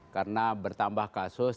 karena bertambah kasus